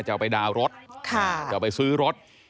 จะเอาไปดาวรถจะเอาไปซื้อรถ